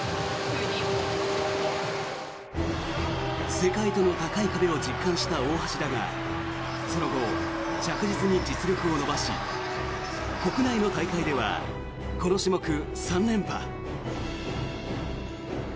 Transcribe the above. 世界との高い壁を実感した大橋だがその後、着実に実力を伸ばし国内の大会ではこの種目３連覇。